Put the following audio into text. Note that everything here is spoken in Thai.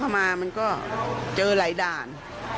มามันก็เจอหลายด่าน